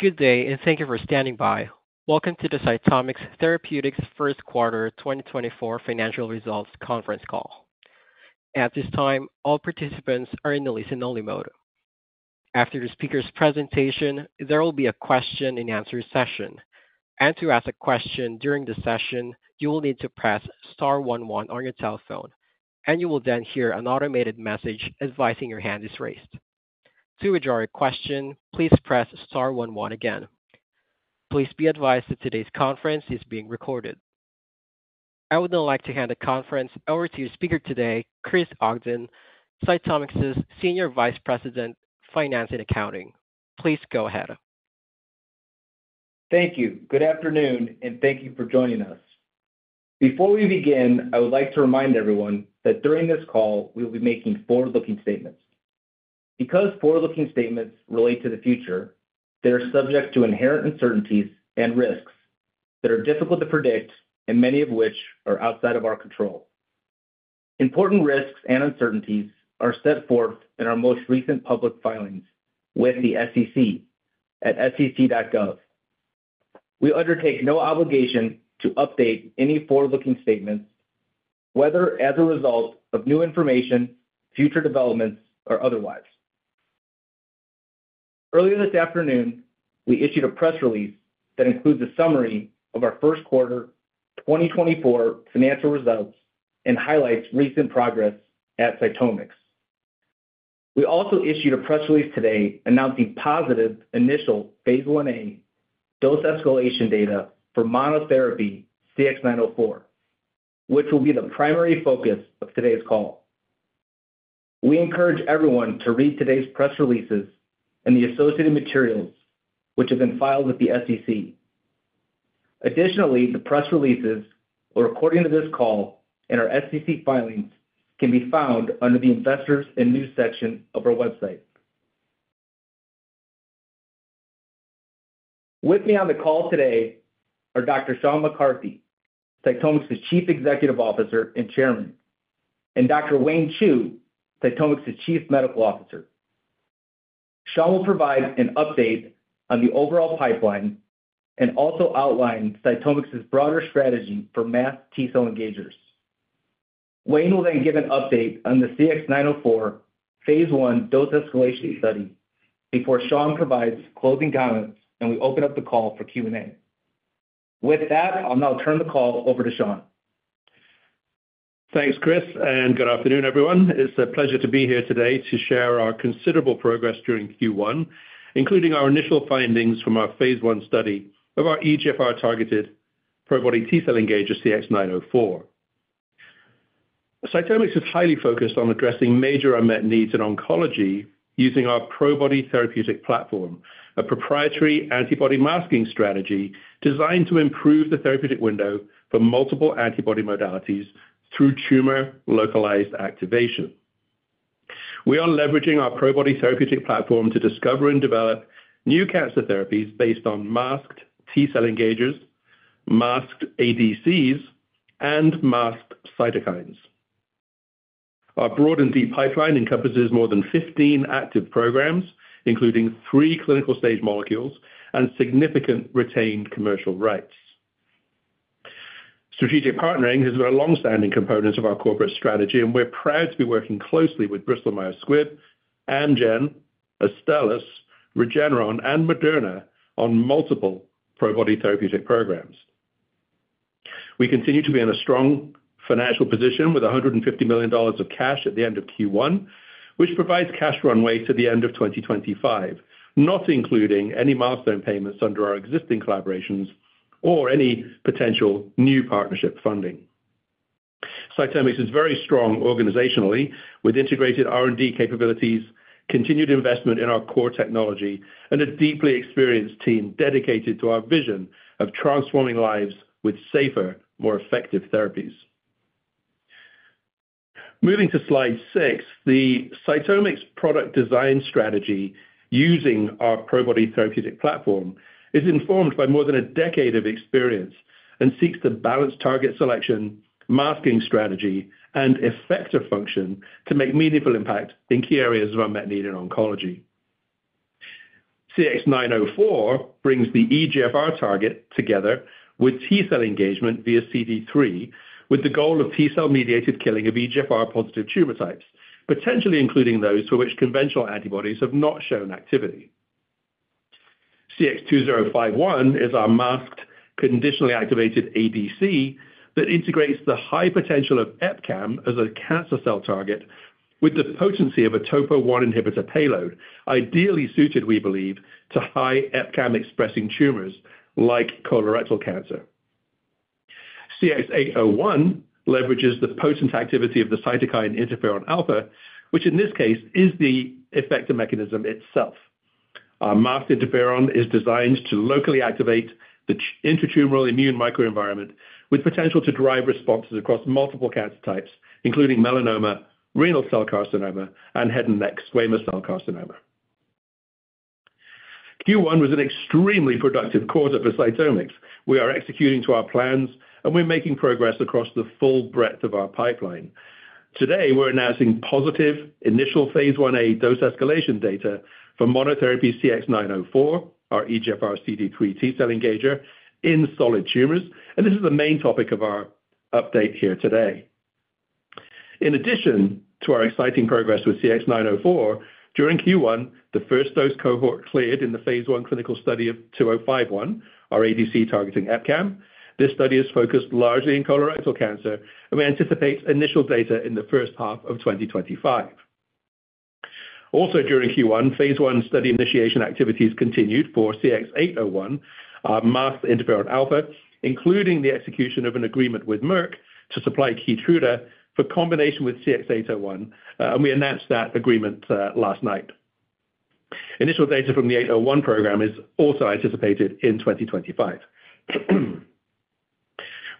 Good day and thank you for standing by. Welcome to the CytomX Therapeutics First Quarter 2024 Financial Results Conference Call. At this time, all participants are in a listen-only mode. After the speaker's presentation, there will be a question-and-answer session, and to ask a question during the session, you will need to press star one on your telephone, and you will then hear an automated message advising your hand is raised. To withdraw your question, please press star one one again. Please be advised that today's conference is being recorded. I would now like to hand the conference over to your speaker today, Chris Ogden, CytomX's Senior Vice President, Finance and Accounting. Please go ahead. Thank you. Good afternoon and thank you for joining us. Before we begin, I would like to remind everyone that during this call, we will be making forward-looking statements. Because forward-looking statements relate to the future, they are subject to inherent uncertainties and risks that are difficult to predict and many of which are outside of our control. Important risks and uncertainties are set forth in our most recent public filings with the SEC at sec.gov. We undertake no obligation to update any forward-looking statements, whether as a result of new information, future developments, or otherwise. Earlier this afternoon, we issued a press release that includes a summary of our first quarter 2024 financial results and highlights recent progress at CytomX. We also issued a press release today announcing positive initial phase Ia dose escalation data for monotherapy CX-904, which will be the primary focus of today's call. We encourage everyone to read today's press releases and the associated materials which have been filed with the SEC. Additionally, the press releases or according to this call and our SEC filings can be found under the Investors and News section of our website. With me on the call today are Dr. Sean McCarthy, CytomX's Chief Executive Officer and Chairman, and Dr. Wayne Chu, CytomX's Chief Medical Officer. Sean will provide an update on the overall pipeline and also outline CytomX's broader strategy for masked T-cell engagers. Wayne will then give an update on the CX-904 phase I dose escalation study before Sean provides closing comments, and we open up the call for Q&A. With that, I'll now turn the call over to Sean. Thanks, Chris, and good afternoon, everyone. It's a pleasure to be here today to share our considerable progress during Q1, including our initial findings from our phase I study of our EGFR-targeted Probody T-cell engager, CX-904. CytomX is highly focused on addressing major unmet needs in oncology using our Probody therapeutic platform, a proprietary antibody masking strategy designed to improve the therapeutic window for multiple antibody modalities through tumor-localized activation. We are leveraging our Probody therapeutic platform to discover and develop new cancer therapies based on masked T-cell engagers, masked ADCs, and masked cytokines. Our broad and deep pipeline encompasses more than 15 active programs, including 3 clinical stage molecules and significant retained commercial rights. Strategic partnering is a long-standing component of our corporate strategy, and we're proud to be working closely with Bristol Myers Squibb, Amgen, Astellas, Regeneron, and Moderna on multiple Probody therapeutic programs. We continue to be in a strong financial position with $150 million of cash at the end of Q1, which provides cash runway to the end of 2025, not including any milestone payments under our existing collaborations or any potential new partnership funding. CytomX is very strong organizationally, with integrated R&D capabilities, continued investment in our core technology, and a deeply experienced team dedicated to our vision of transforming lives with safer, more effective therapies. Moving to slide six, the CytomX product design strategy using our Probody therapeutic platform is informed by more than a decade of experience and seeks to balance target selection, masking strategy, and effector function to make meaningful impact in key areas of unmet need in oncology. CX-904 brings the EGFR target together with T-cell engagement via CD3, with the goal of T-cell-mediated killing of EGFR-positive tumor types, potentially including those to which conventional antibodies have not shown activity. CX-2051 is our masked, conditionally activated ADC that integrates the high potential of EpCAM as a cancer cell target with the potency of a topo 1 inhibitor payload, ideally suited, we believe, to high EpCAM-expressing tumors like colorectal cancer. CX-801 leverages the potent activity of the cytokine interferon alpha, which in this case is the effector mechanism itself. Our masked interferon is designed to locally activate the intratumoral immune microenvironment with potential to drive responses across multiple cancer types, including melanoma, renal cell carcinoma, and head and neck squamous cell carcinoma. Q1 was an extremely productive quarter for CytomX. We are executing to our plans, and we're making progress across the full breadth of our pipeline. Today, we're announcing positive initial phase Ia dose escalation data for monotherapy CX-904, our EGFR CD3 T-cell engager in solid tumors, and this is the main topic of our update here today. In addition to our exciting progress with CX-904, during Q1, the first dose cohort cleared in the phase I clinical study of CX-2051, our ADC targeting EpCAM. This study is focused largely in colorectal cancer, and we anticipate initial data in the first half of 2025. Also during Q1, phase I study initiation activities continued for CX-801, masked interferon alpha, including the execution of an agreement with Merck to supply Keytruda for combination with CX-801, and we announced that agreement last night. Initial data from the 801 program is also anticipated in 2025.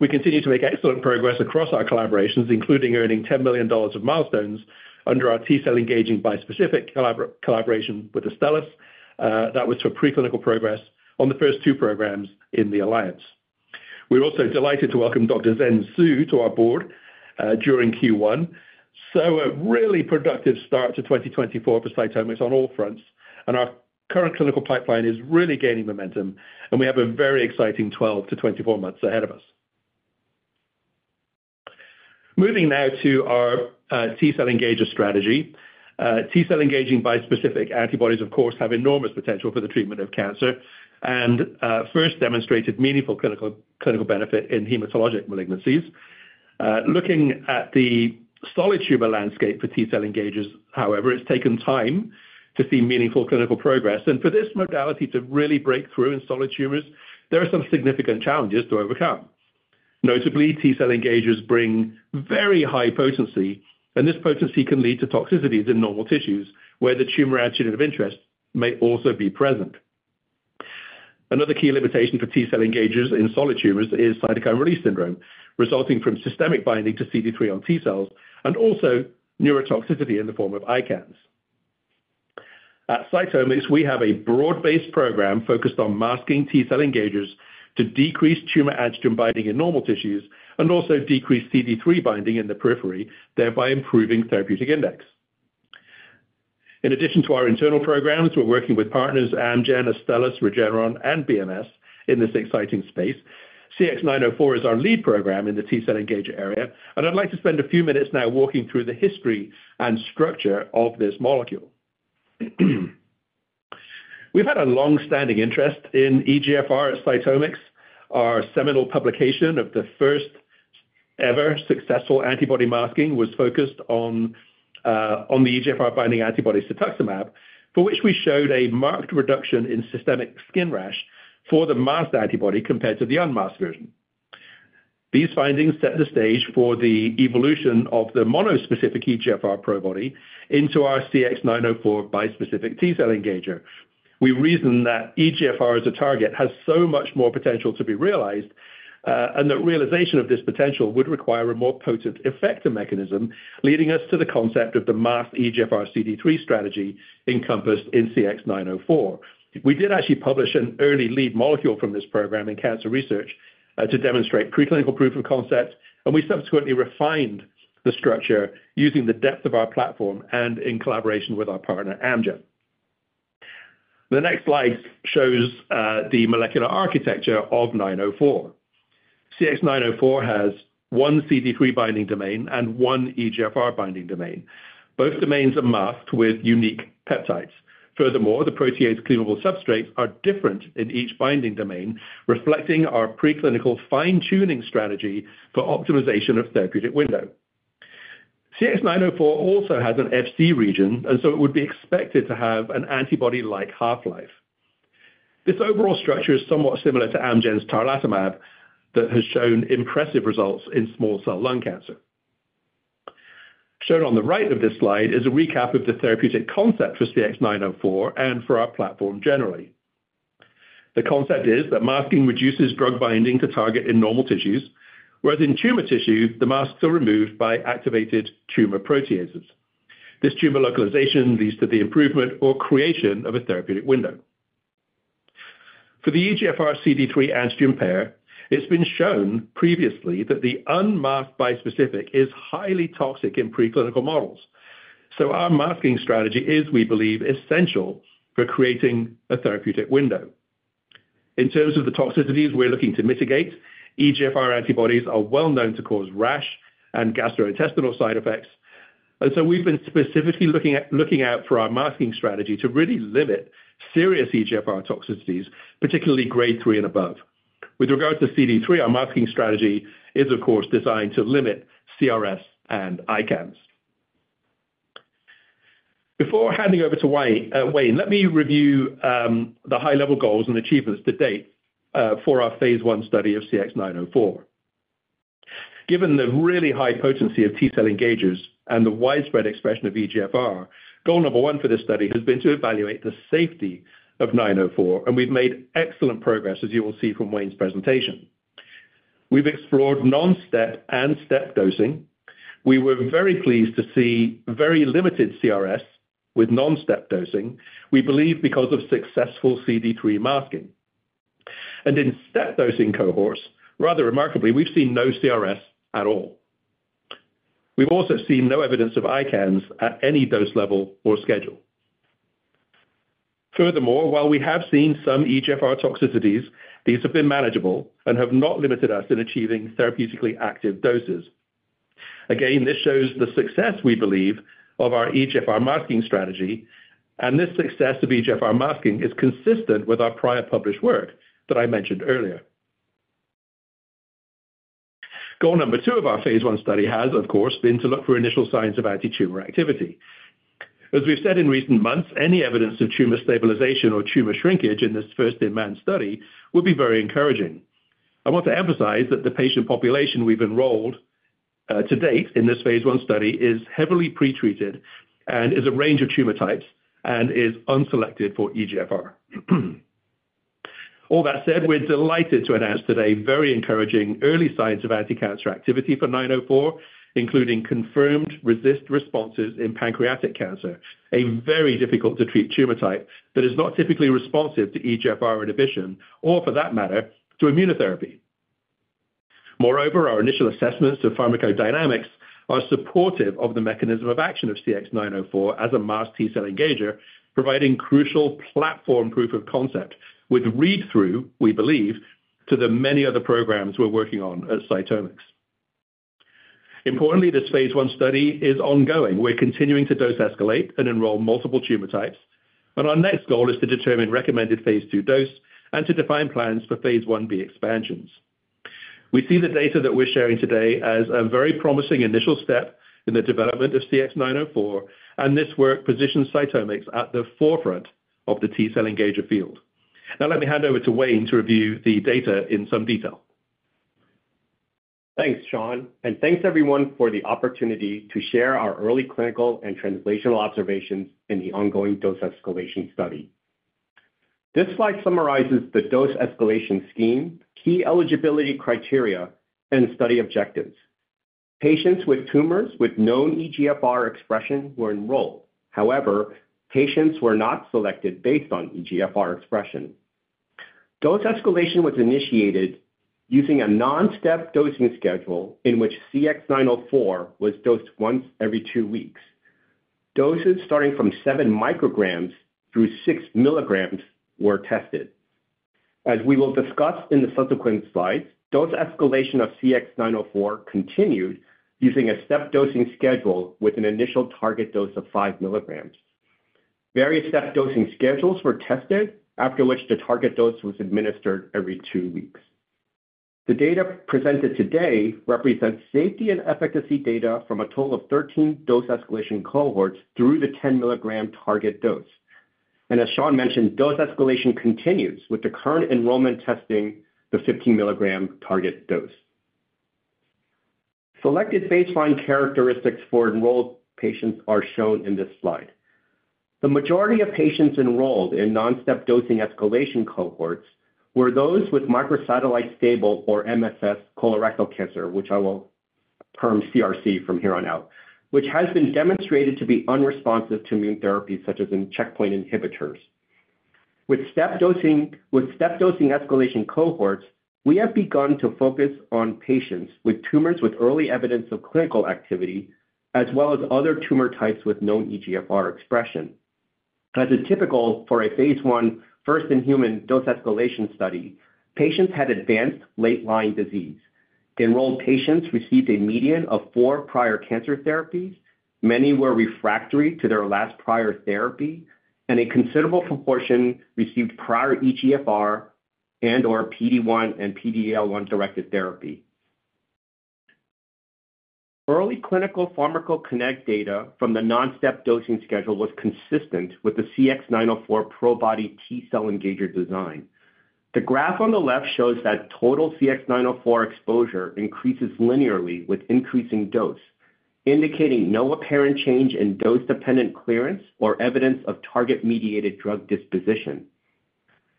We continue to make excellent progress across our collaborations, including earning $10 million of milestones under our T-cell engaging bispecific collaboration with Astellas. That was for preclinical progress on the first two programs in the alliance. We're also delighted to welcome Dr. Zhen Su to our board during Q1. A really productive start to 2024 for CytomX on all fronts, and our current clinical pipeline is really gaining momentum, and we have a very exciting 12 months-24 months ahead of us. Moving now to our T-cell engager strategy. T-cell engaging bispecific antibodies, of course, have enormous potential for the treatment of cancer, and first demonstrated meaningful clinical benefit in hematologic malignancies. Looking at the solid tumor landscape for T-cell engagers, however, it's taken time to see meaningful clinical progress, and for this modality to really break through in solid tumors, there are some significant challenges to overcome. Notably, T-cell engagers bring very high potency, and this potency can lead to toxicities in normal tissues, where the tumor antigen of interest may also be present. Another key limitation for T-cell engagers in solid tumors is cytokine release syndrome, resulting from systemic binding to CD3 on T-cells and also neurotoxicity in the form of ICANS. At CytomX, we have a broad-based program focused on masking T-cell engagers to decrease tumor antigen binding in normal tissues and also decrease CD3 binding in the periphery, thereby improving therapeutic index. In addition to our internal programs, we're working with partners Amgen, Astellas, Regeneron, and BMS in this exciting space. CX-904 is our lead program in the T-cell engager area, and I'd like to spend a few minutes now walking through the history and structure of this molecule. We've had a long-standing interest in EGFR at CytomX. Our seminal publication of the first-ever successful antibody masking was focused on the EGFR binding antibody cetuximab, for which we showed a marked reduction in systemic skin rash for the masked antibody compared to the unmasked version. These findings set the stage for the evolution of the monospecific EGFR Probody into our CX-904 bispecific T-cell engager. We reasoned that EGFR as a target has so much more potential to be realized, and that realization of this potential would require a more potent effector mechanism, leading us to the concept of the masked EGFR CD3 strategy encompassed in CX-904. We did actually publish an early lead molecule from this program in Cancer Research, to demonstrate preclinical proof of concept, and we subsequently refined the structure using the depth of our platform and in collaboration with our partner, Amgen. The next slide shows the molecular architecture of CX-904. CX-904 has one CD3 binding domain and one EGFR binding domain. Both domains are masked with unique peptides. Furthermore, the protease cleavable substrates are different in each binding domain, reflecting our preclinical fine-tuning strategy for optimization of therapeutic window. CX-904 also has an FC region, and so it would be expected to have an antibody-like half-life. This overall structure is somewhat similar to Amgen's tarlatamab that has shown impressive results in small cell lung cancer. Shown on the right of this slide is a recap of the therapeutic concept for CX-904 and for our platform generally. The concept is that masking reduces drug binding to target in normal tissues, whereas in tumor tissue, the masks are removed by activated tumor proteases. This tumor localization leads to the improvement or creation of a therapeutic window. For the EGFR CD3 antigen pair, it's been shown previously that the unmasked bispecific is highly toxic in preclinical models. So our masking strategy is, we believe, essential for creating a therapeutic window. In terms of the toxicities we're looking to mitigate, EGFR antibodies are well known to cause rash and gastrointestinal side effects, and so we've been specifically looking out for our masking strategy to really limit serious EGFR toxicities, particularly grade 3 and above. With regard to CD3, our masking strategy is, of course, designed to limit CRS and ICANS. Before handing over to Wayne, let me review the high-level goals and achievements to date for our phase I study of CX-904. Given the really high potency of T-cell engagers and the widespread expression of EGFR, goal number one for this study has been to evaluate the safety of 904, and we've made excellent progress, as you will see from Wayne's presentation. We've explored non-step and step dosing. We were very pleased to see very limited CRS with non-step dosing, we believe because of successful CD3 masking and in step dosing cohorts, rather remarkably, we've seen no CRS at all. We've also seen no evidence of ICANS at any dose level or schedule. Furthermore, while we have seen some EGFR toxicities, these have been manageable and have not limited us in achieving therapeutically active doses. Again, this shows the success we believe of our EGFR masking strategy, and this success of EGFR masking is consistent with our prior published work that I mentioned earlier. Goal number 2 of our phase I study has, of course, been to look for initial signs of antitumor activity. As we've said in recent months, any evidence of tumor stabilization or tumor shrinkage in this first-in-man study would be very encouraging. I want to emphasize that the patient population we've enrolled to date in this phase I study is heavily pretreated and is a range of tumor types and is unselected for EGFR. All that said, we're delighted to announce today very encouraging early signs of anticancer activity for CX-904, including confirmed RECIST responses in pancreatic cancer, a very difficult to treat tumor type that is not typically responsive to EGFR inhibition or for that matter, to immunotherapy. Moreover, our initial assessments of pharmacodynamics are supportive of the mechanism of action of CX-904 as a masked T-cell engager, providing crucial platform proof of concept with read-through, we believe, to the many other programs we're working on at CytomX. Importantly, this phase I study is ongoing. We're continuing to dose escalate and enroll multiple tumor types, and our next goal is to determine recommended phase II dose and to define plans for phase Ib expansions. We see the data that we're sharing today as a very promising initial step in the development of CX-904, and this work positions CytomX at the forefront of the T-cell engager field. Now, let me hand over to Wayne to review the data in some detail. Thanks, Sean, and thanks everyone for the opportunity to share our early clinical and translational observations in the ongoing dose escalation study. This slide summarizes the dose escalation scheme, key eligibility criteria, and study objectives. Patients with tumors with known EGFR expression were enrolled. However, patients were not selected based on EGFR expression. Dose escalation was initiated using a non-step dosing schedule in which CX-904 was dosed once every two weeks. Doses starting from 7 micrograms through 6 milligrams were tested. As we will discuss in the subsequent slides, dose escalation of CX-904 continued using a step dosing schedule with an initial target dose of 5 milligrams. Various step dosing schedules were tested, after which the target dose was administered every two weeks. The data presented today represents safety and efficacy data from a total of 13 dose escalation cohorts through the 10-milligram target dose, and as Sean mentioned, dose escalation continues with the current enrollment testing the 15-milligram target dose. Selected baseline characteristics for enrolled patients are shown in this slide. The majority of patients enrolled in non-step dosing escalation cohorts were those with microsatellite stable or MSS colorectal cancer, which I will term CRC from here on out, which has been demonstrated to be unresponsive to immune therapy, such as in checkpoint inhibitors. With step dosing escalation cohorts, we have begun to focus on patients with tumors with early evidence of clinical activity, as well as other tumor types with no EGFR expression. As is typical for a phase I first-in-human dose escalation study, patients had advanced late-line disease. Enrolled patients received a median of four prior cancer therapies. Many were refractory to their last prior therapy, and a considerable proportion received prior EGFR and/or PD-1 and PD-L1-directed therapy. Early clinical pharmacokinetic data from the non-step dosing schedule was consistent with the CX-904 Probody T-cell engager design. The graph on the left shows that total CX-904 exposure increases linearly with increasing dose, indicating no apparent change in dose-dependent clearance or evidence of target-mediated drug disposition.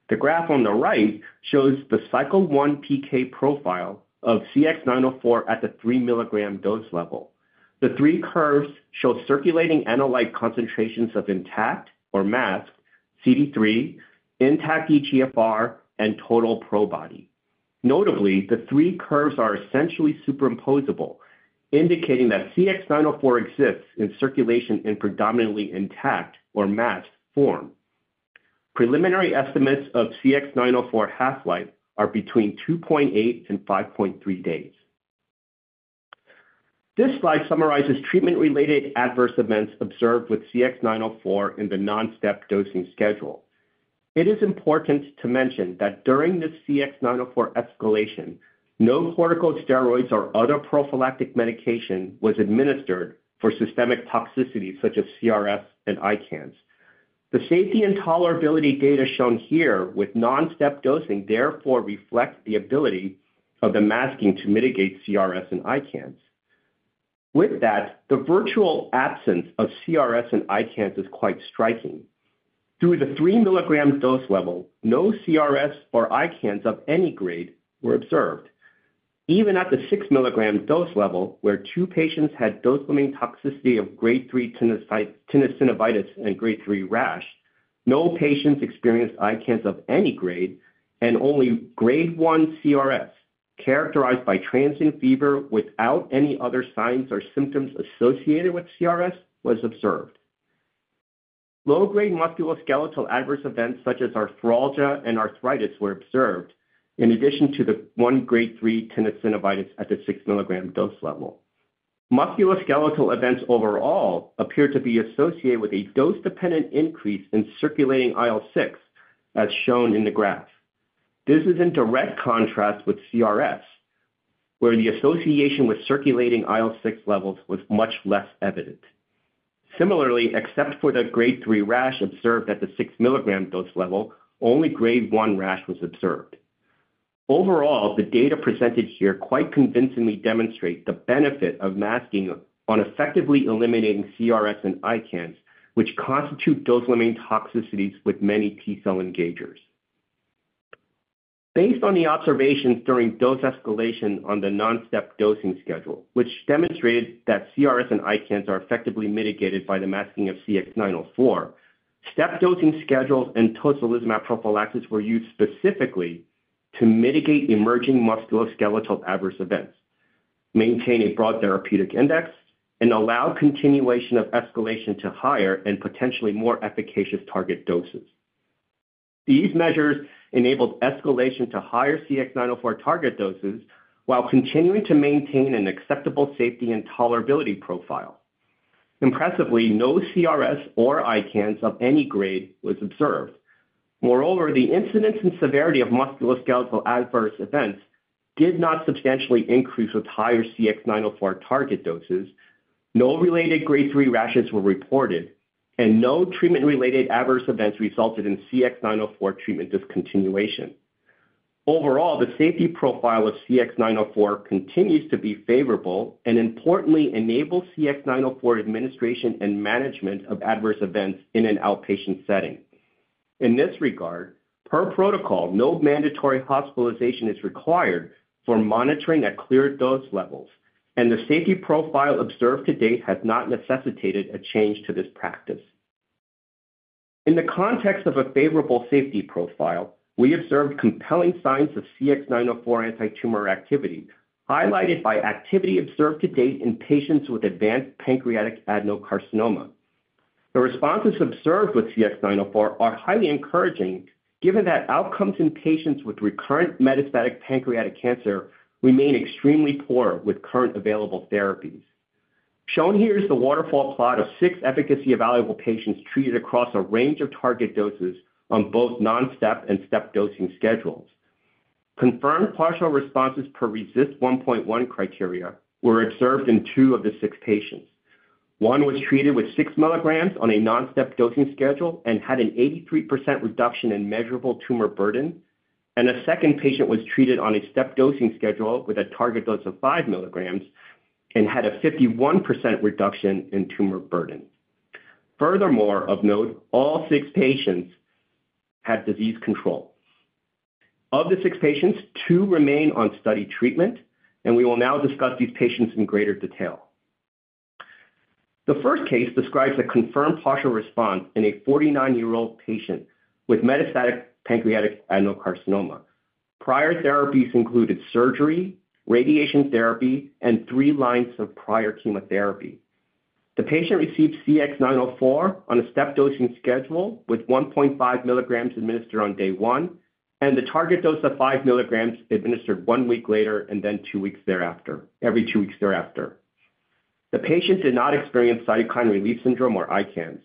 The graph on the right shows the cycle one PK profile of CX-904 at the three-milligram dose level. The three curves show circulating analyte concentrations of intact or masked CD3, intact EGFR, and total Probody. Notably, the three curves are essentially superimposable, indicating that CX-904 exists in circulation in predominantly intact or masked form. Preliminary estimates of CX-904 half-life are between 2.8 days and 5.3 days. This slide summarizes treatment-related adverse events observed with CX-904 in the non-step dosing schedule. It is important to mention that during this CX-904 escalation, no corticosteroids or other prophylactic medication was administered for systemic toxicity such as CRS and ICANS. The safety and tolerability data shown here with non-step dosing therefore reflects the ability of the masking to mitigate CRS and ICANS. With that, the virtual absence of CRS and ICANS is quite striking. Through the 3-milligram dose level, no CRS or ICANS of any grade were observed.... Even at the 6 mg dose level, where 2 patients had dose-limiting toxicity of grade 3 tenosynovitis and grade 3 rash, no patients experienced ICANS of any grade, and only grade 1 CRS, characterized by transient fever without any other signs or symptoms associated with CRS, was observed. Low-grade musculoskeletal adverse events, such as arthralgia and arthritis, were observed, in addition to the 1 grade 3 tenosynovitis at the 6 mg dose level. Musculoskeletal events overall appeared to be associated with a dose-dependent increase in circulating IL-6, as shown in the graph. This is in direct contrast with CRS, where the association with circulating IL-6 levels was much less evident. Similarly, except for the grade 3 rash observed at the 6 mg dose level, only grade 1 rash was observed. Overall, the data presented here quite convincingly demonstrate the benefit of masking on effectively eliminating CRS and ICANS, which constitute dose-limiting toxicities with many T-cell engagers. Based on the observations during dose escalation on the non-step dosing schedule, which demonstrated that CRS and ICANS are effectively mitigated by the masking of CX-904, step dosing schedules and tocilizumab prophylaxis were used specifically to mitigate emerging musculoskeletal adverse events, maintain a broad therapeutic index, and allow continuation of escalation to higher and potentially more efficacious target doses. These measures enabled escalation to higher CX-904 target doses while continuing to maintain an acceptable safety and tolerability profile. Impressively, no CRS or ICANS of any grade was observed. Moreover, the incidence and severity of musculoskeletal adverse events did not substantially increase with higher CX-904 target doses. No related grade 3 rashes were reported, and no treatment-related adverse events resulted in CX-904 treatment discontinuation. Overall, the safety profile of CX-904 continues to be favorable and importantly enables CX-904 administration and management of adverse events in an outpatient setting. In this regard, per protocol, no mandatory hospitalization is required for monitoring at cleared dose levels, and the safety profile observed to date has not necessitated a change to this practice. In the context of a favorable safety profile, we observed compelling signs of CX-904 antitumor activity, highlighted by activity observed to date in patients with advanced pancreatic adenocarcinoma. The responses observed with CX-904 are highly encouraging, given that outcomes in patients with recurrent metastatic pancreatic cancer remain extremely poor with current available therapies. Shown here is the waterfall plot of 6 efficacy evaluable patients treated across a range of target doses on both non-step and step dosing schedules. Confirmed partial responses per RECIST 1.1 criteria were observed in 2 of the 6 patients. One was treated with 6 milligrams on a non-step dosing schedule and had an 83% reduction in measurable tumor burden, and a second patient was treated on a step dosing schedule with a target dose of 5 milligrams and had a 51% reduction in tumor burden. Furthermore, of note, all 6 patients had disease control. Of the 6 patients, 2 remain on study treatment, and we will now discuss these patients in greater detail. The first case describes a confirmed partial response in a 49-year-old patient with metastatic pancreatic adenocarcinoma. Prior therapies included surgery, radiation therapy, and 3 lines of prior chemotherapy. The patient received CX-904 on a step dosing schedule, with 1.5 milligrams administered on day 1, and the target dose of 5 milligrams administered one week later, and then every two weeks thereafter. The patient did not experience cytokine release syndrome or ICANS.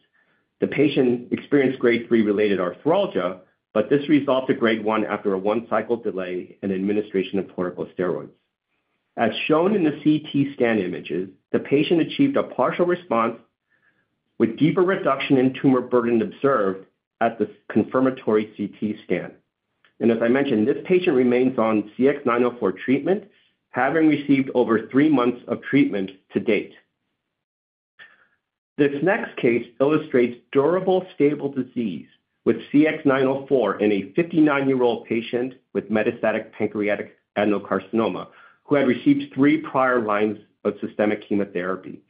The patient experienced grade 3-related arthralgia, but this resolved to grade 1 after a 1-cycle delay and administration of corticosteroids. As shown in the CT scan images, the patient achieved a partial response with deeper reduction in tumor burden observed at the confirmatory CT scan. And as I mentioned, this patient remains on CX-904 treatment, having received over 3 months of treatment to date. This next case illustrates durable, stable disease with CX-904 in a 59-year-old patient with metastatic pancreatic adenocarcinoma, who had received 3 prior lines of systemic chemotherapy.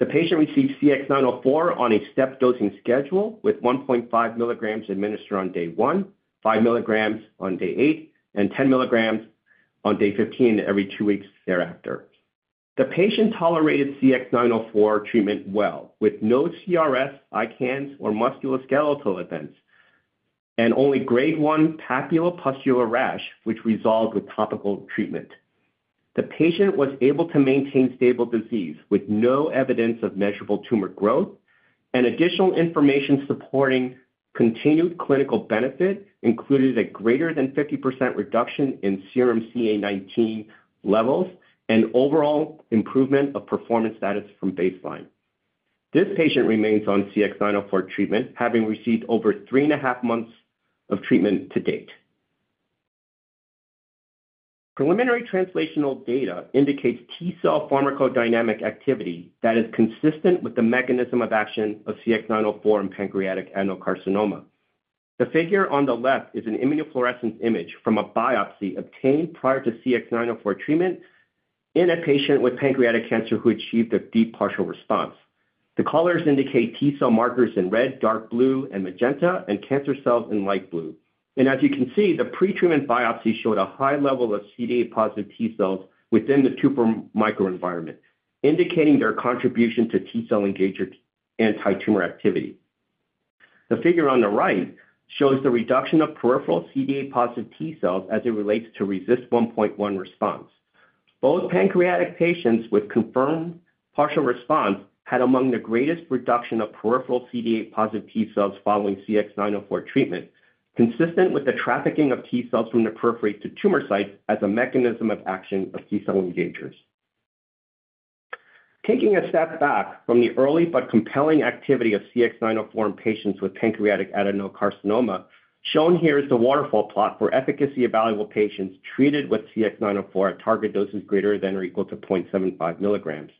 The patient received CX-904 on a step dosing schedule, with 1.5 milligrams administered on day 1, 5 milligrams on day 8, and 10 milligrams on day 15, every 2 weeks thereafter. The patient tolerated CX-904 treatment well, with no CRS, ICANS, or musculoskeletal events, and only grade 1 papulopustular rash, which resolved with topical treatment. The patient was able to maintain stable disease with no evidence of measurable tumor growth, and additional information supporting continued clinical benefit included a greater than 50% reduction in serum CA-19-9 levels and overall improvement of performance status from baseline. This patient remains on CX-904 treatment, having received over 3.5 months of treatment to date. Preliminary translational data indicates T-cell pharmacodynamic activity that is consistent with the mechanism of action of CX-904 in pancreatic adenocarcinoma... The figure on the left is an immunofluorescence image from a biopsy obtained prior to CX-904 treatment in a patient with pancreatic cancer who achieved a deep partial response. The colors indicate T-cell markers in red, dark blue, and magenta, and cancer cells in light blue. As you can see, the pretreatment biopsy showed a high level of CD3-positive T-cells within the tumor microenvironment, indicating their contribution to T-cell engagement anti-tumor activity. The figure on the right shows the reduction of peripheral CD3-positive T-cells as it relates to RECIST 1.1 response. Both pancreatic patients with confirmed partial response had among the greatest reduction of peripheral CD3-positive T-cells following CX-904 treatment, consistent with the trafficking of T-cells from the periphery to tumor sites as a mechanism of action of T-cell engagers. Taking a step back from the early but compelling activity of CX-904 in patients with pancreatic adenocarcinoma, shown here is the waterfall plot for efficacy evaluable patients treated with CX-904 at target doses greater than or equal to 0.75 milligrams.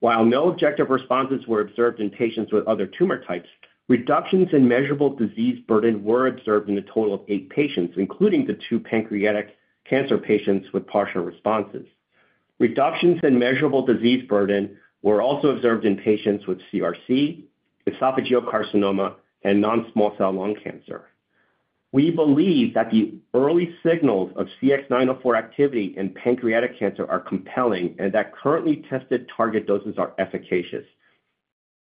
While no objective responses were observed in patients with other tumor types, reductions in measurable disease burden were observed in a total of 8 patients, including the 2 pancreatic cancer patients with partial responses. Reductions in measurable disease burden were also observed in patients with CRC, esophageal carcinoma, and non-small cell lung cancer. We believe that the early signals of CX-904 activity in pancreatic cancer are compelling and that currently tested target doses are efficacious.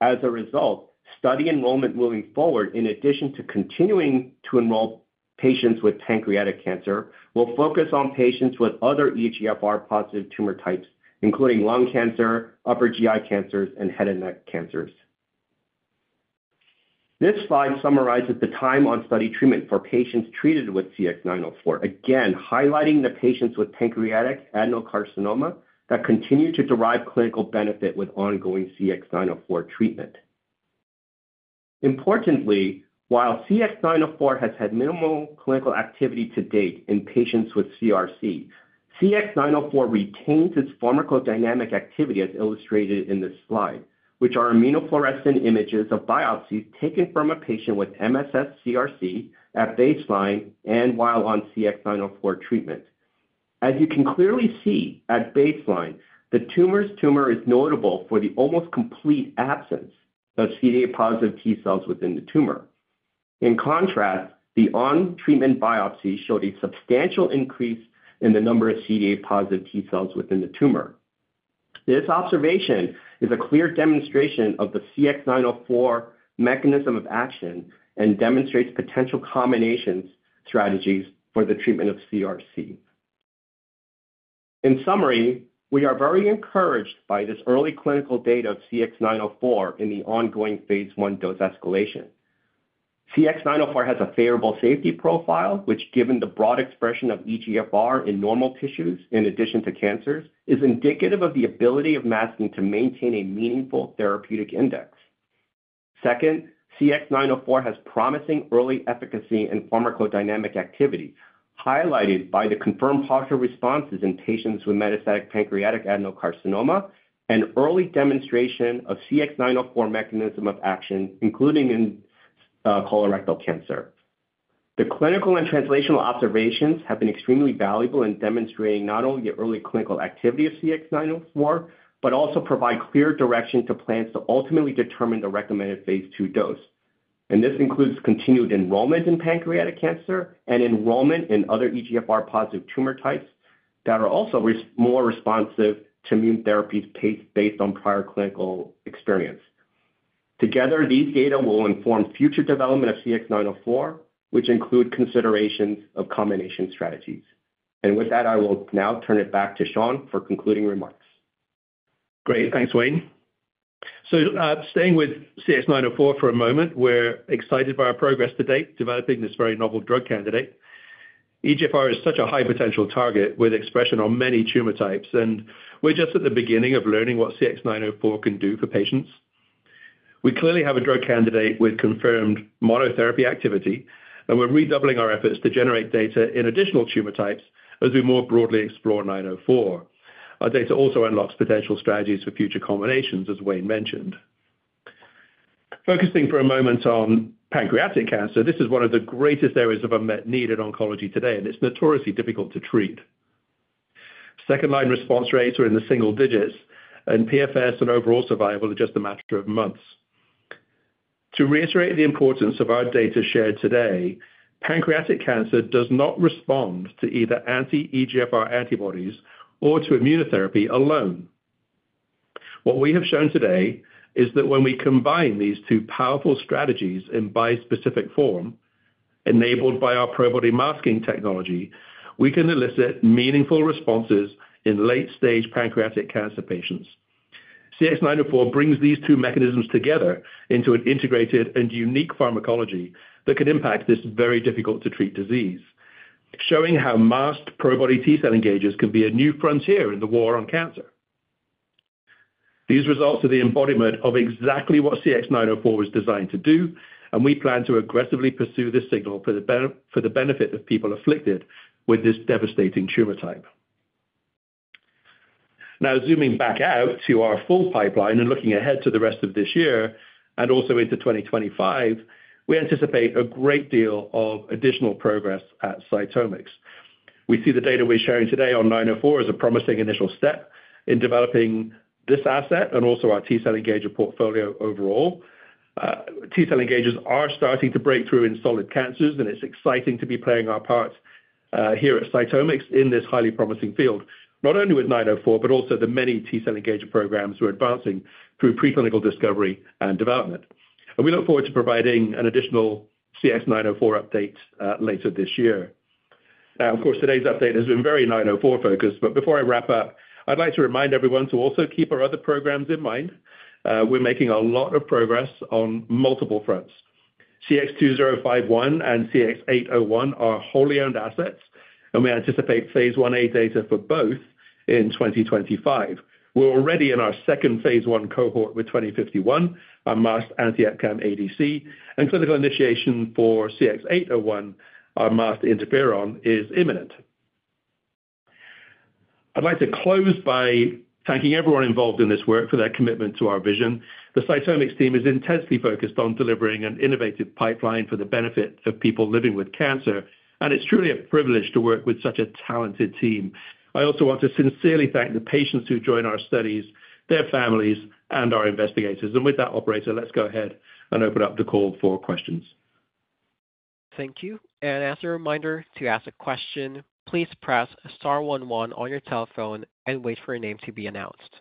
As a result, study enrollment moving forward, in addition to continuing to enroll patients with pancreatic cancer, will focus on patients with other EGFR-positive tumor types, including lung cancer, upper GI cancers, and head and neck cancers. This slide summarizes the time on study treatment for patients treated with CX-904, again, highlighting the patients with pancreatic adenocarcinoma that continue to derive clinical benefit with ongoing CX-904 treatment. Importantly, while CX-904 has had minimal clinical activity to date in patients with CRC, CX-904 retains its pharmacodynamic activity, as illustrated in this slide, which are immunofluorescent images of biopsies taken from a patient with MSS CRC at baseline and while on CX-904 treatment. As you can clearly see, at baseline, the tumor is notable for the almost complete absence of CD3-positive T-cells within the tumor. In contrast, the on-treatment biopsy showed a substantial increase in the number of CD8-positive T-cells within the tumor. This observation is a clear demonstration of the CX-904 mechanism of action and demonstrates potential combination strategies for the treatment of CRC. In summary, we are very encouraged by this early clinical data of CX-904 in the ongoing phase I dose escalation. CX-904 has a favorable safety profile, which, given the broad expression of EGFR in normal tissues, in addition to cancers, is indicative of the ability of masking to maintain a meaningful therapeutic index. Second, CX-904 has promising early efficacy and pharmacodynamic activity, highlighted by the confirmed partial responses in patients with metastatic pancreatic adenocarcinoma and early demonstration of CX-904 mechanism of action, including in colorectal cancer. The clinical and translational observations have been extremely valuable in demonstrating not only the early clinical activity of CX-904, but also provide clear direction to plans to ultimately determine the recommended phase II dose. This includes continued enrollment in pancreatic cancer and enrollment in other EGFR-positive tumor types that are also more responsive to immune therapies based on prior clinical experience. Together, these data will inform future development of CX-904, which include considerations of combination strategies. With that, I will now turn it back to Sean for concluding remarks. Great. Thanks, Wayne. So, staying with CX-904 for a moment, we're excited by our progress to date, developing this very novel drug candidate. EGFR is such a high potential target with expression on many tumor types, and we're just at the beginning of learning what CX-904 can do for patients. We clearly have a drug candidate with confirmed monotherapy activity, and we're redoubling our efforts to generate data in additional tumor types as we more broadly explore 904. Our data also unlocks potential strategies for future combinations, as Wayne mentioned. Focusing for a moment on pancreatic cancer, this is one of the greatest areas of unmet need in oncology today, and it's notoriously difficult to treat. Second-line response rates are in the single digits, and PFS and overall survival are just a matter of months. To reiterate the importance of our data shared today, pancreatic cancer does not respond to either anti-EGFR antibodies or to immunotherapy alone. What we have shown today is that when we combine these two powerful strategies in bispecific form, enabled by our Probody-masking technology, we can elicit meaningful responses in late-stage pancreatic cancer patients. CX-904 brings these two mechanisms together into an integrated and unique pharmacology that could impact this very difficult-to-treat disease, showing how masked Probody T-cell engagers could be a new frontier in the war on cancer. These results are the embodiment of exactly what CX-904 was designed to do, and we plan to aggressively pursue this signal for the benefit of people afflicted with this devastating tumor type. Now zooming back out to our full pipeline and looking ahead to the rest of this year and also into 2025, we anticipate a great deal of additional progress at CytomX. We see the data we're sharing today on 904 as a promising initial step in developing this asset and also our T-cell engager portfolio overall. T-cell engagers are starting to break through in solid cancers, and it's exciting to be playing our part here at CytomX in this highly promising field, not only with 904, but also the many T-cell engager programs we're advancing through preclinical discovery and development. We look forward to providing an additional CX-904 update later this year. Now, of course, today's update has been very 904-focused, but before I wrap up, I'd like to remind everyone to also keep our other programs in mind. We're making a lot of progress on multiple fronts. CX-2051 and CX-801 are wholly owned assets, and we anticipate phase I-A data for both in 2025. We're already in our second phase I cohort with 2051, our masked anti-EpCAM ADC, and clinical initiation for CX-801, our masked interferon, is imminent. I'd like to close by thanking everyone involved in this work for their commitment to our vision. The CytomX team is intensely focused on delivering an innovative pipeline for the benefit of people living with cancer, and it's truly a privilege to work with such a talented team. I also want to sincerely thank the patients who join our studies, their families, and our investigators. With that, operator, let's go ahead and open up the call for questions. Thank you. And as a reminder, to ask a question, please press star one one on your telephone and wait for your name to be announced.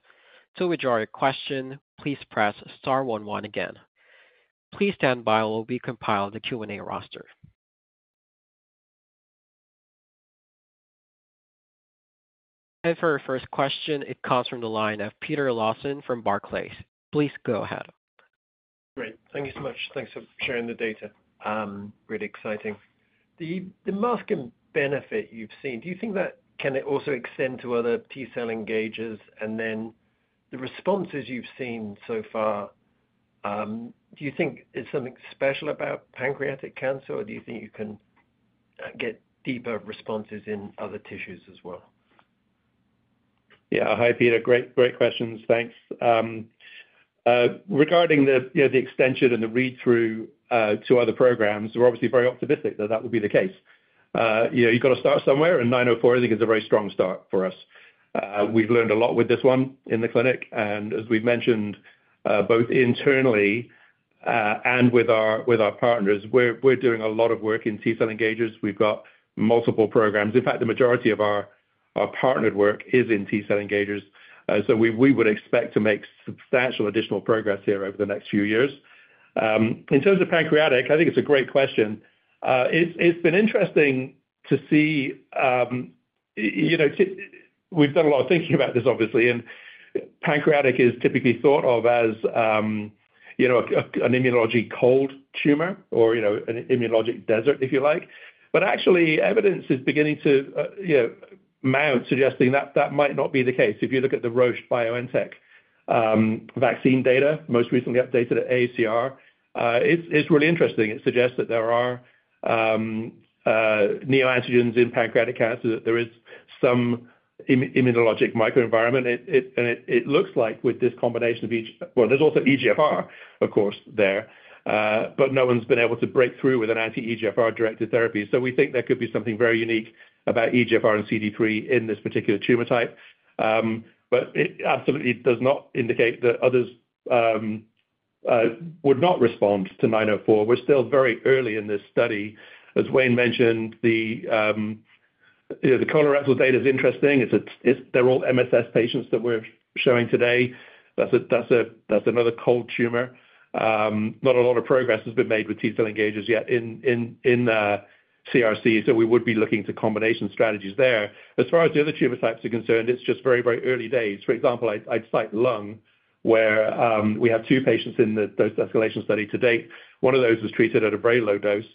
To withdraw your question, please press star one one again. Please stand by while we compile the Q&A roster. And for our first question, it comes from the line of Peter Lawson from Barclays. Please go ahead. Great. Thank you so much. Thanks for sharing the data. Really exciting. The masking benefit you've seen, do you think that can also extend to other T-cell engagers? And then the responses you've seen so far, do you think it's something special about pancreatic cancer, or do you think you can get deeper responses in other tissues as well? Yeah. Hi, Peter. Great, great questions. Thanks, regarding the, you know, the extension and the read-through, to other programs, we're obviously very optimistic that that would be the case. You know, you've got to start somewhere, and 904, I think, is a very strong start for us. We've learned a lot with this one in the clinic, and as we've mentioned, both internally, and with our, with our partners, we're, we're doing a lot of work in T-cell engagers. We've got multiple programs. In fact, the majority of our, our partnered work is in T-cell engagers. So we, we would expect to make substantial additional progress here over the next few years. In terms of pancreatic, I think it's a great question. It's, it's been interesting to see. You know, we've done a lot of thinking about this, obviously, and pancreatic is typically thought of as, you know, a, a, an immunologic cold tumor or, you know, an immunologic desert, if you like. But actually, evidence is beginning to, you know, mount suggesting that that might not be the case. If you look at the Roche BioNTech vaccine data, most recently updated at AACR, it's really interesting. It suggests that there are neoantigens in pancreatic cancer, that there is some immunologic microenvironment. And it looks like with this combination of EGFR. Well, there's also EGFR, of course, there, but no one's been able to break through with an anti-EGFR-directed therapy. So we think there could be something very unique about EGFR and CD3 in this particular tumor type. But it absolutely does not indicate that others would not respond to CX-904. We're still very early in this study. As Wayne mentioned, you know, the colorectal data is interesting. They're all MSS patients that we're showing today. That's another cold tumor. Not a lot of progress has been made with T-cell engagers yet in CRC, so we would be looking to combination strategies there. As far as the other tumor types are concerned, it's just very, very early days. For example, I'd cite lung, where we have two patients in the dose deescalation study to date. One of those was treated at a very low dose,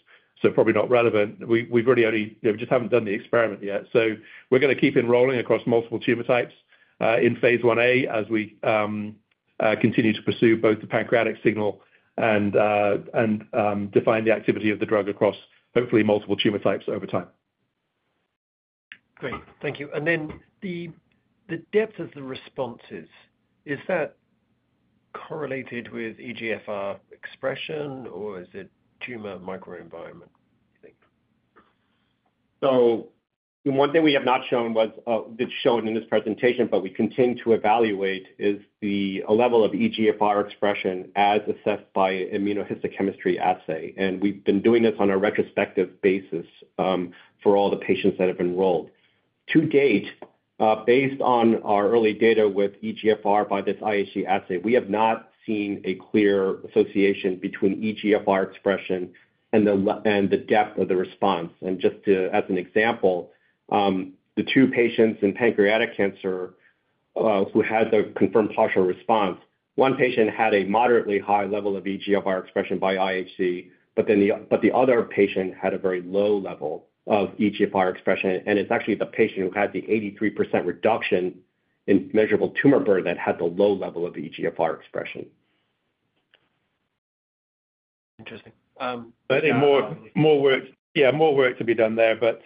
so probably not relevant. We've already only, you know, just haven't done the experiment yet. So we're gonna keep enrolling across multiple tumor types in phase I-A as we continue to pursue both the pancreatic signal and define the activity of the drug across, hopefully, multiple tumor types over time. Great. Thank you. And then the depth of the responses, is that correlated with EGFR expression, or is it tumor microenvironment, you think? So one thing we have not shown was, that's shown in this presentation, but we continue to evaluate, is the, a level of EGFR expression as assessed by immunohistochemistry assay, and we've been doing this on a retrospective basis, for all the patients that have enrolled. To date, based on our early data with EGFR by this IHC assay, we have not seen a clear association between EGFR expression and the level and the depth of the response. Just to, as an example, the two patients in pancreatic cancer who had the confirmed partial response, one patient had a moderately high level of EGFR expression by IHC, but the other patient had a very low level of EGFR expression, and it's actually the patient who had the 83% reduction in measurable tumor burden that had the low level of EGFR expression. I think more, more work, yeah, more work to be done there. But,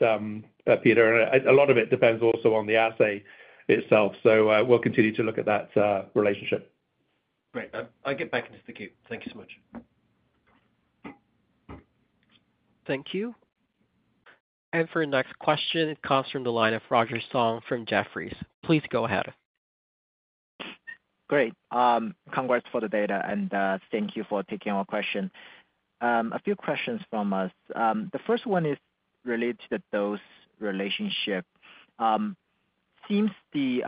Peter, a lot of it depends also on the assay itself, so, we'll continue to look at that relationship. Great. I'll get back into the queue. Thank you so much. Thank you. And for our next question, it comes from the line of Roger Song from Jefferies. Please go ahead. Great. Congrats for the data, and, thank you for taking our question. A few questions from us. The first one is related to the dose relationship. Seems the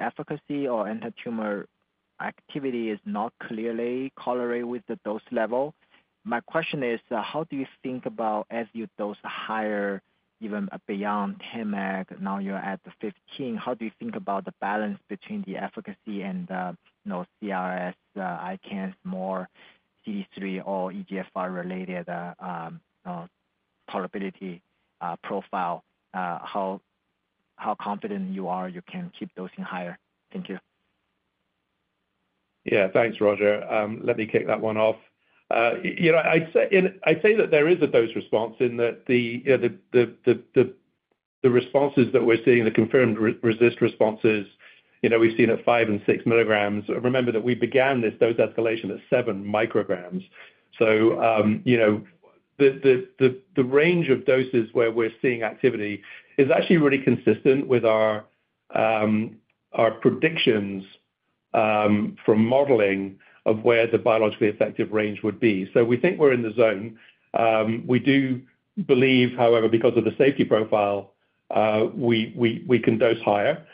efficacy or anti-tumor activity is not clearly correlate with the dose level. My question is, how do you think about as you dose higher, even beyond 10 mg, now you're at the 15 mg, how do you think about the balance between the efficacy and, you know, CRS, ICANS, more CD3 or EGFR-related, tolerability, profile? How confident you are you can keep dosing higher? Thank you. Yeah, thanks, Roger. Let me kick that one off. You know, I'd say that there is a dose response in that the responses that we're seeing, the confirmed responses, you know, we've seen at 5 milligrams and 6 milligrams. Remember that we began this dose escalation at 7 micrograms. So, you know, the range of doses where we're seeing activity is actually really consistent with our predictions from modeling of where the biologically effective range would be. So we think we're in the zone. We do believe, however, because of the safety profile, we can dose higher.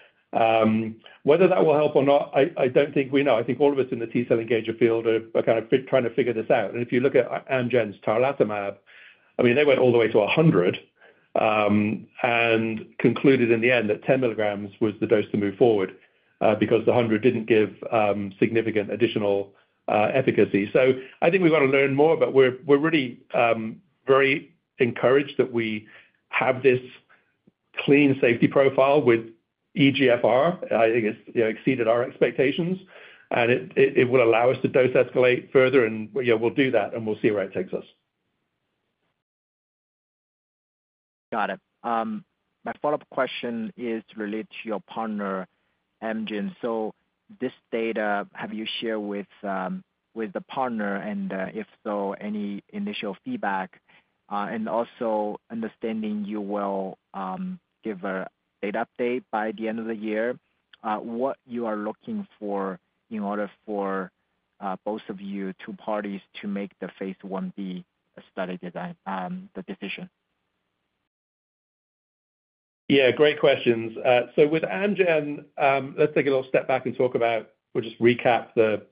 Whether that will help or not, I don't think we know. I think all of us in the T-cell engager field are kind of trying to figure this out. And if you look at Amgen's tarlatamab, I mean, they went all the way to 100, and concluded in the end that 10 milligrams was the dose to move forward, because the 100 didn't give significant additional efficacy. So I think we've got to learn more, but we're really very encouraged that we have this clean safety profile with EGFR. I think it's, you know, exceeded our expectations, and it will allow us to dose escalate further and, yeah, we'll do that, and we'll see where it takes us. Got it. My follow-up question is related to your partner, Amgen. So this data, have you shared with the partner? And also understanding you will give a data update by the end of the year, what you are looking for in order for both of you two parties to make the phase I-B study design the decision? Yeah, great questions. So with Amgen, let's take a little step back and talk about. We'll just recap the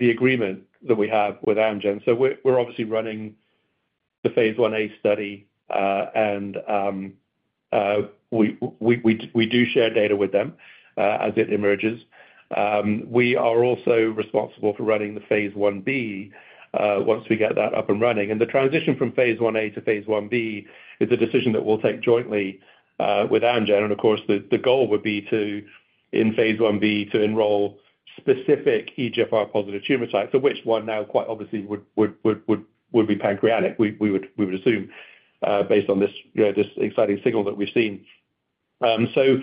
agreement that we have with Amgen. So we're obviously running the phase Ia study, and we do share data with them as it emerges. We are also responsible for running the phase I-B, once we get that up and running. And the transition from phase I-A to phase I-B is a decision that we'll take jointly with Amgen. And of course, the goal would be to, in phase I-B, to enroll specific EGFR-positive tumor sites, so which one now, quite obviously, would be pancreatic. We would assume, based on this, you know, this exciting signal that we've seen. So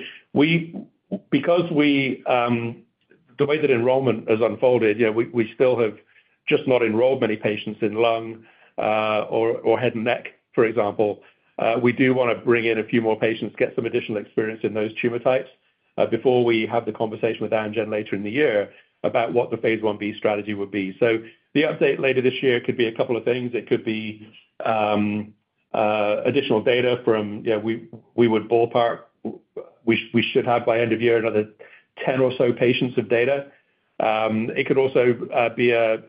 because we, the way that enrollment has unfolded, you know, we still have just not enrolled many patients in lung, or head and neck, for example. We do wanna bring in a few more patients, get some additional experience in those tumor types, before we have the conversation with Amgen later in the year about what the phase Ib strategy would be. So the update later this year could be a couple of things. It could be additional data from, you know, we would ballpark, we should have by end of year, another 10 or so patients of data. It could also be an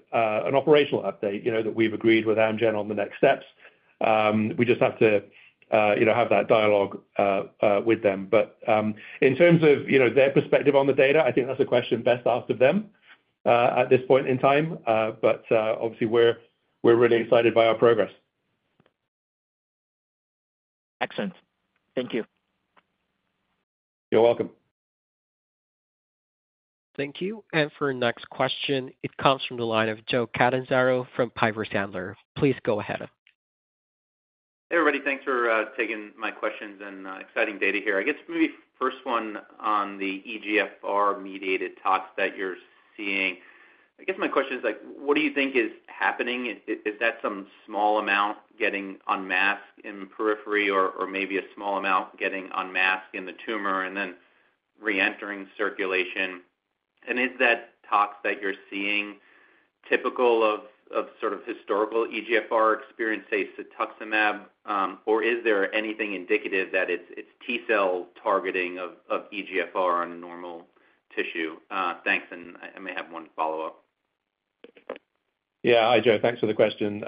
operational update, you know, that we've agreed with Amgen on the next steps. We just have to, you know, have that dialogue with them. But, in terms of, you know, their perspective on the data, I think that's a question best asked of them, at this point in time. But, obviously, we're really excited by our progress. Excellent. Thank you. You're welcome. Thank you. And for our next question, it comes from the line of Joe Catanzaro from Piper Sandler. Please go ahead. Hey, everybody. Thanks for taking my questions and exciting data here. I guess maybe first one on the EGFR-mediated tox that you're seeing. I guess my question is, like, what do you think is happening? Is that some small amount getting unmasked in the periphery or maybe a small amount getting unmasked in the tumor and then reentering circulation? And is that tox that you're seeing typical of sort of historical EGFR experience, say, Cetuximab, or is there anything indicative that it's T-cell targeting of EGFR on a normal tissue? Thanks, and I may have one follow-up. Yeah. Hi, Joe. Thanks for the question.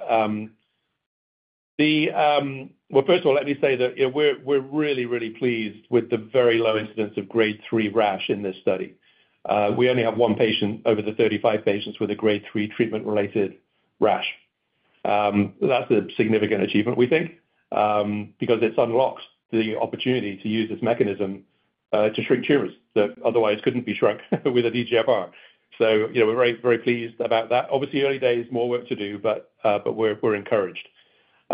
Well, first of all, let me say that, you know, we're, we're really, really pleased with the very low incidence of grade 3 rash in this study. We only have 1 patient over the 35 patients with a grade 3 treatment-related rash. That's a significant achievement, we think, because it's unlocked the opportunity to use this mechanism to shrink tumors that otherwise couldn't be shrunk with a EGFR. So, you know, we're very, very pleased about that. Obviously, early days, more work to do, but we're, we're encouraged.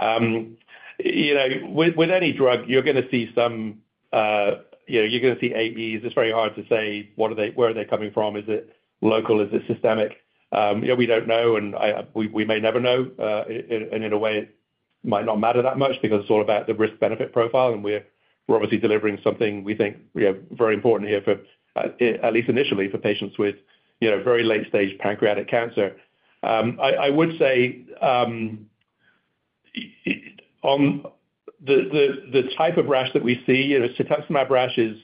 You know, with any drug, you're gonna see some, you know, you're gonna see AEs. It's very hard to say, what are they, where are they coming from? Is it local? Is it systemic? You know, we don't know, and I, we may never know. And in a way, it might not matter that much because it's all about the risk-benefit profile, and we're obviously delivering something we think we have very important here for, at least initially, for patients with, you know, very late-stage pancreatic cancer. I would say, on the type of rash that we see, you know, Cetuximab rash is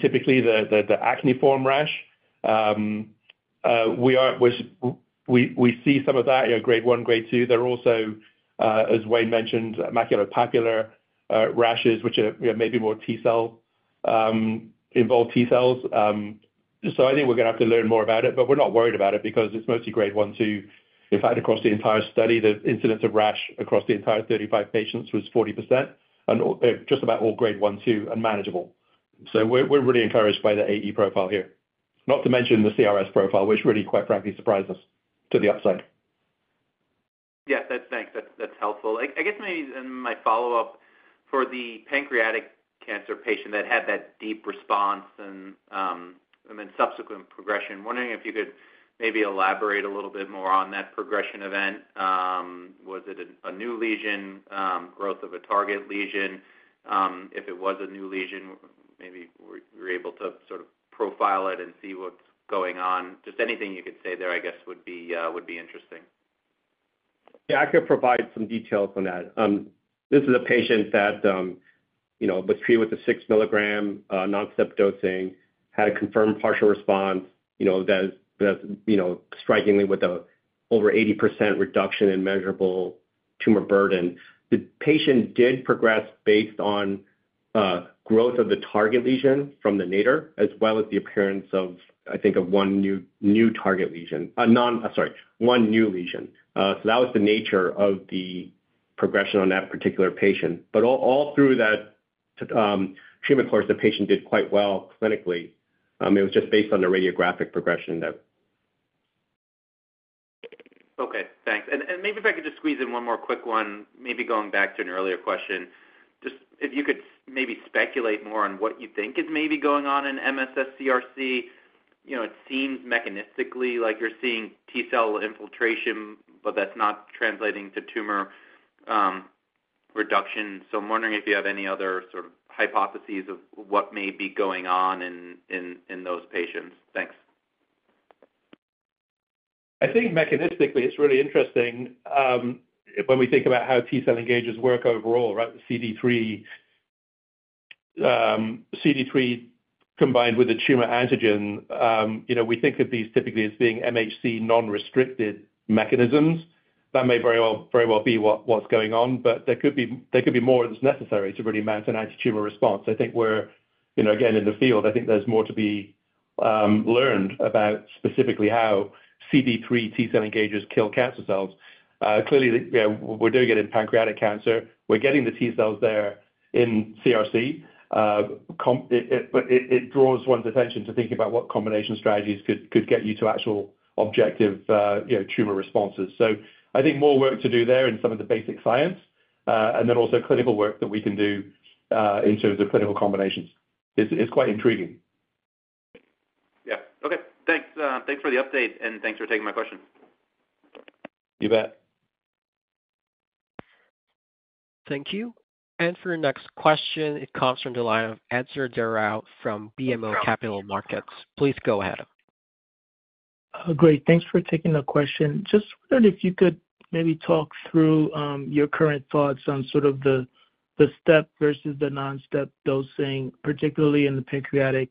typically the acne form rash. We see some of that, you know, grade 1, grade 2. There are also, as Wayne mentioned, maculopapular rashes, which are, you know, maybe more T-cell involve T-cells. I think we're gonna have to learn more about it, but we're not worried about it because it's mostly grade 1, 2. In fact, across the entire study, the incidence of rash across the entire 35 patients was 40%, and all, just about all grade 1, 2, and manageable. So we're, we're really encouraged by the AE profile here. Not to mention the CRS profile, which really, quite frankly, surprised us to the upside. Yeah, that, thanks. That's, that's helpful. I, I guess maybe in my follow-up, for the pancreatic cancer patient that had that deep response and, and then subsequent progression, wondering if you could maybe elaborate a little bit more on that progression event. Was it a new lesion, growth of a target lesion? If it was a new lesion, maybe were you able to sort of profile it and see what's going on? Just anything you could say there, I guess, would be, would be interesting. Yeah, I could provide some details on that. This is a patient that, you know, was treated with a 6 milligram non-step dosing, had a confirmed partial response, you know, that, that, you know, strikingly with a over 80% reduction in measurable tumor burden. The patient did progress based on growth of the target lesion from the nadir, as well as the appearance of, I think, a 1 new, new target lesion. One new lesion. So that was the nature of the progression on that particular patient. But all, all through that treatment course, the patient did quite well clinically. It was just based on the radiographic progression there. Okay, thanks. And maybe if I could just squeeze in one more quick one, maybe going back to an earlier question. Just if you could maybe speculate more on what you think is maybe going on in MSS CRC. You know, it seems mechanistically like you're seeing T-cell infiltration, but that's not translating to tumor reduction. So I'm wondering if you have any other sort of hypotheses of what may be going on in those patients. Thanks. I think mechanistically, it's really interesting, when we think about how T-cell engagers work overall, right? The CD3, CD3 combined with the tumor antigen, you know, we think of these typically as being MHC non-restricted mechanisms. That may very well be what's going on, but there could be more that's necessary to really mount an antitumor response. I think we're, you know, again, in the field, I think there's more to be learned about specifically how CD3 T-cell engagers kill cancer cells. Clearly, you know, we're doing it in pancreatic cancer. We're getting the T-cells there in CRC, but it draws one's attention to thinking about what combination strategies could get you to actual objective, you know, tumor responses. So I think more work to do there in some of the basic science, and then also clinical work that we can do, in terms of clinical combinations. It's, it's quite intriguing. Yeah. Okay, thanks. Thanks for the update, and thanks for taking my question. You bet. Thank you. And for your next question, it comes from the line of Etzer Darout from BMO Capital Markets. Please go ahead. Great, thanks for taking the question. Just wondered if you could maybe talk through your current thoughts on sort of the step versus the non-step dosing, particularly in the pancreatic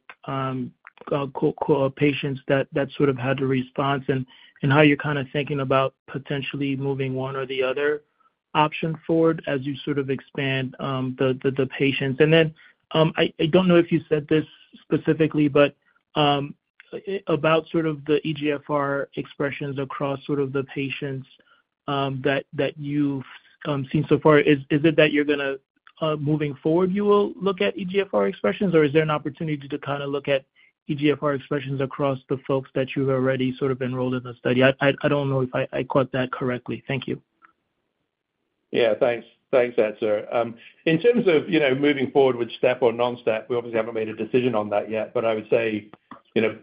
quote quote patients that sort of had the response, and how you're kind of thinking about potentially moving one or the other option forward as you sort of expand the patients. And then, I don't know if you said this specifically, but about sort of the EGFR expressions across sort of the patients that you've seen so far. Is it that you're gonna moving forward, you will look at EGFR expressions, or is there an opportunity to kind of look at EGFR expressions across the folks that you've already sort of enrolled in the study? I don't know if I caught that correctly. Thank you. Yeah, thanks. Thanks, Etzer. In terms of, you know, moving forward with step or non-step, we obviously haven't made a decision on that yet, but I would say, you know,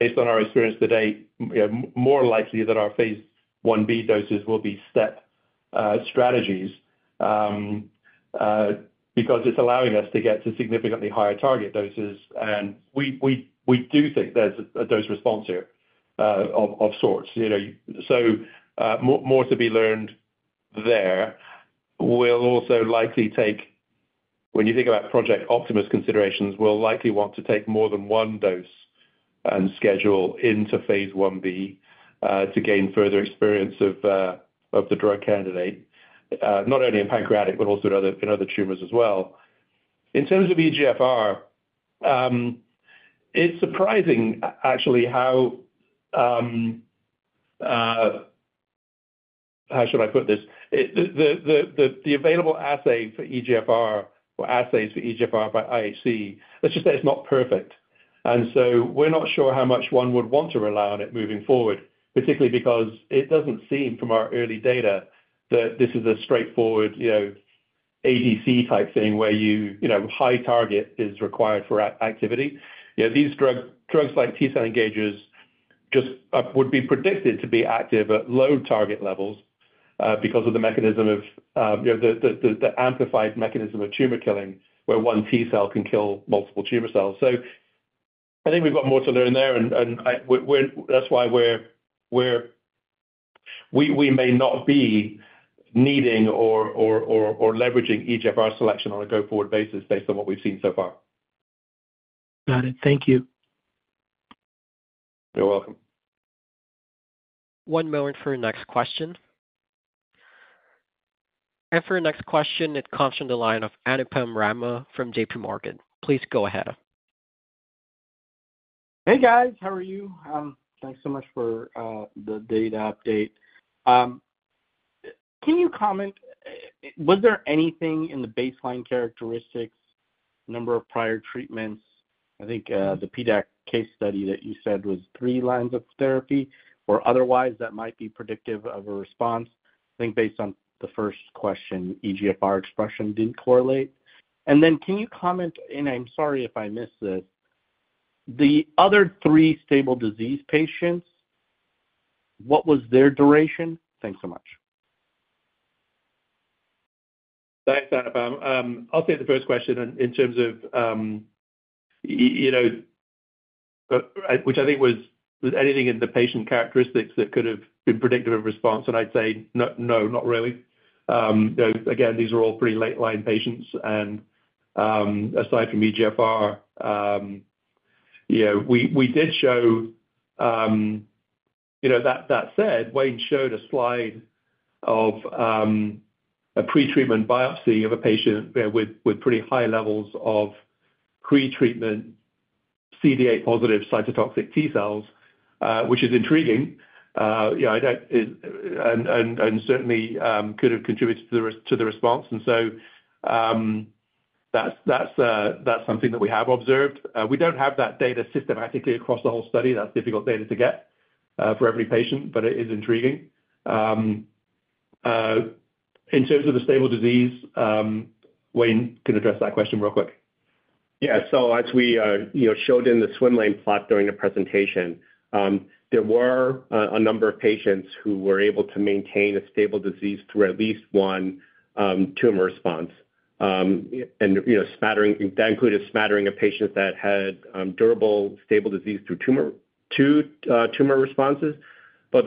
based on our experience to date, we are more likely that our phase Ib doses will be step strategies. Because it's allowing us to get to significantly higher target doses, and we do think there's a dose response here, of sorts, you know. So, more to be learned there. We'll also likely take. When you think about Project Optimus considerations, we'll likely want to take more than one dose and schedule into phase Ib, to gain further experience of the drug candidate, not only in pancreatic, but also in other tumors as well. In terms of EGFR, it's surprising actually how should I put this? The available assay for EGFR or assays for EGFR by IHC, let's just say it's not perfect. And so we're not sure how much one would want to rely on it moving forward, particularly because it doesn't seem, from our early data, that this is a straightforward, you know, ADC-type thing where you, you know, high target is required for activity. You know, these drugs like T-cell engagers just would be predicted to be active at low target levels, because of the mechanism of the amplified mechanism of tumor killing, where one T-cell can kill multiple tumor cells. So I think we've got more to learn there, and that's why we may not be needing or leveraging EGFR selection on a go-forward basis based on what we've seen so far. Got it. Thank you. You're welcome. One moment for your next question. For our next question, it comes from the line of Anupam Rama from J.P. Morgan. Please go ahead. Hey, guys. How are you? Thanks so much for the data update. Can you comment, was there anything in the baseline characteristics, number of prior treatments, I think, the PDAC case study that you said was 3 lines of therapy or otherwise that might be predictive of a response? I think based on the first question, EGFR expression didn't correlate. And then can you comment, and I'm sorry if I missed this, the other 3 stable disease patients, what was their duration? Thanks so much. Thanks, Anupam. I'll take the first question in terms of you know, which I think was anything in the patient characteristics that could have been predictive of response? And I'd say no, no, not really. You know, again, these are all pretty late-line patients and aside from EGFR, you know, we did show, you know, that said, Wayne showed a slide of a pretreatment biopsy of a patient, yeah, with pretty high levels of pretreatment CD8 positive cytotoxic T-cells, which is intriguing. You know, I don't. And certainly could have contributed to the response. And so, that's something that we have observed. We don't have that data systematically across the whole study. That's difficult data to get for every patient, but it is intriguing. In terms of the stable disease, Wayne can address that question real quick. Yeah. So, as we, you know, showed in the swim lane plot during the presentation, there were a number of patients who were able to maintain a stable disease through at least one tumor response. And, you know, that included a smattering of patients that had durable, stable disease through two tumor responses. But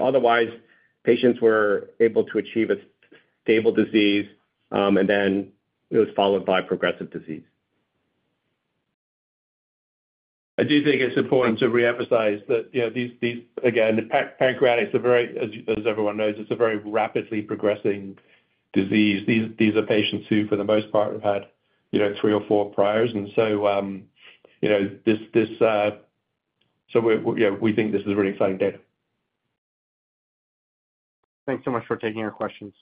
otherwise, patients were able to achieve a stable disease, and then it was followed by progressive disease. I do think it's important to reemphasize that, you know, again, pancreatic is a very, as everyone knows, it's a very rapidly progressing disease. These are patients who, for the most part, have had, you know, three or four priors. And so, you know, we think this is really exciting data. Thanks so much for taking our questions.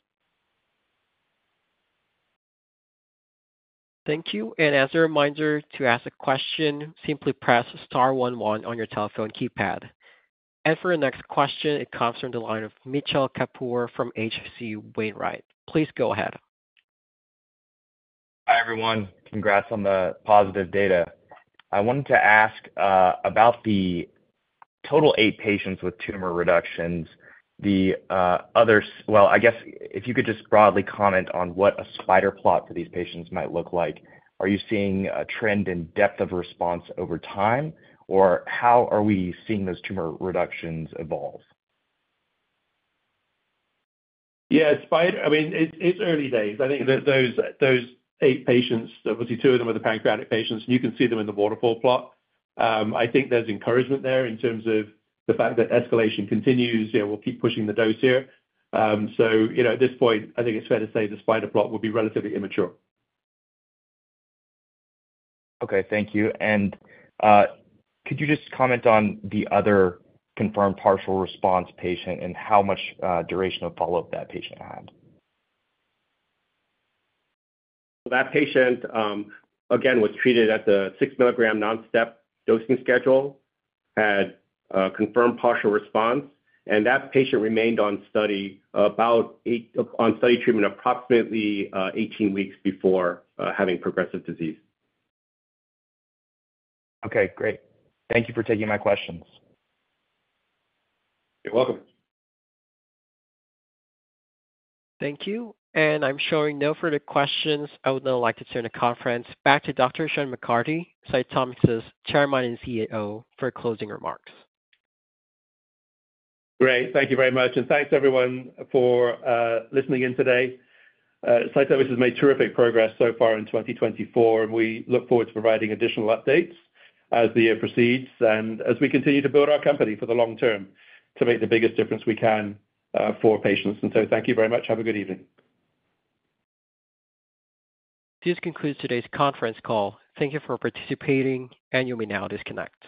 Thank you. As a reminder, to ask a question, simply press star one one on your telephone keypad. For our next question, it comes from the line of Mitchell Kapoor from H.C. Wainwright. Please go ahead. Hi, everyone. Congrats on the positive data. I wanted to ask about the total 8 patients with tumor reductions, the other. Well, I guess if you could just broadly comment on what a spider plot for these patients might look like. Are you seeing a trend in depth of response over time, or how are we seeing those tumor reductions evolve? Yeah, the spider plot, I mean, it's early days. I think that those eight patients, obviously two of them are the pancreatic patients, and you can see them in the waterfall plot. I think there's encouragement there in terms of the fact that escalation continues. You know, we'll keep pushing the dose here. So, you know, at this point, I think it's fair to say the spider plot will be relatively immature. Okay. Thank you. And could you just comment on the other confirmed partial response patient and how much duration of follow-up that patient had? That patient, again, was treated at the 6 mg non-step dosing schedule, had a confirmed partial response, and that patient remained on study treatment approximately 18 weeks before having progressive disease. Okay, great. Thank you for taking my questions. You're welcome. Thank you. I'm showing no further questions. I would now like to turn the conference back to Dr. Sean McCarthy, CytomX's Chairman and CEO, for closing remarks. Great. Thank you very much, and thanks, everyone, for listening in today. CytomX has made terrific progress so far in 2024, and we look forward to providing additional updates as the year proceeds and as we continue to build our company for the long term to make the biggest difference we can for patients. And so, thank you very much. Have a good evening. This concludes today's conference call. Thank you for participating, and you may now disconnect.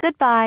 Goodbye.